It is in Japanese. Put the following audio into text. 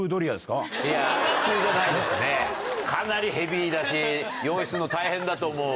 かなりヘビーだし用意するの大変だと思うわ。